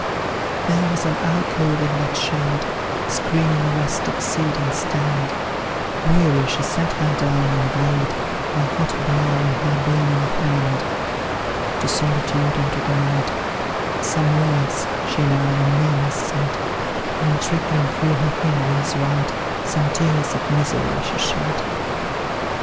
There was an alcove in that shade, Screening a rustic seat and stand; Weary she sat her down, and laid Her hot brow on her burning hand. To solitude and to the night, Some words she now, in murmurs, said; And trickling through her fingers white, Some tears of misery she shed.